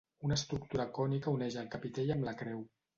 Una estructura cònica uneix el capitell amb la creu.